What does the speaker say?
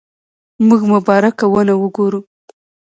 موږ مبارکه ونه وګورو.